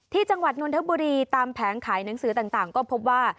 จังหวัดนนทบุรีตามแผงขายหนังสือต่างก็พบว่า